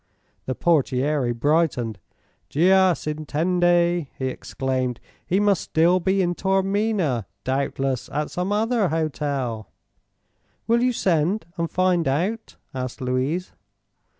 The portiere brightened. "Gia s'intende!" he exclaimed, "he must still be in Taormina doubtless at some other hotel." "Will you send and find out?" asked Louise.